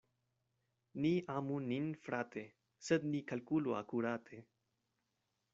Ni amu nin frate, sed ni kalkulu akurate.